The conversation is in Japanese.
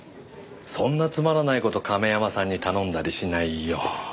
そんなつまらない事亀山さんに頼んだりしないよ。